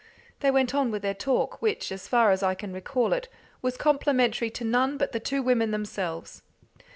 They went on with their talk, which, as far as I can recall it, was complimentary to none but the two women themselves.